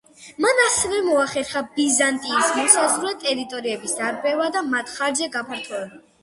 მან ასევე მოახერხა ბიზანტიის მოსაზღვრე ტერიტორიების დარბევა და მათ ხარჯზე გაფართოვება.